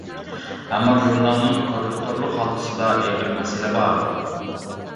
ئەمما ژۇرنالنىڭ كوررېكتورلۇق ھالقىسىدا ئېغىر مەسىلە بار.